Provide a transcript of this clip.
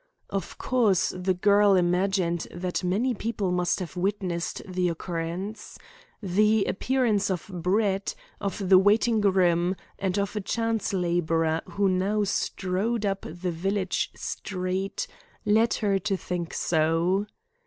Of course, the girl imagined that many people must have witnessed the occurrence. The appearance of Brett, of the waiting groom, and of a chance labourer who now strode up the village street, led her to think so.